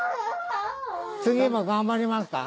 次も頑張りますか？